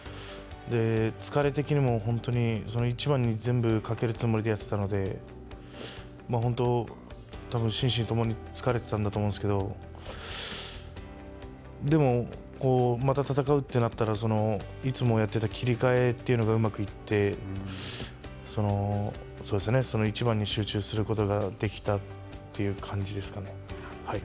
疲れ的にも、本当に、一番に全部掛けるつもりでやってたので、本当、たぶん、心身共に疲れてたんだと思うんですけど、でも、また戦うとなったらいつもやっていた切り替えというのがうまくいって、その一番に集中することができたという感じですかね。